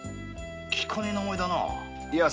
聞かねぇ名前だな。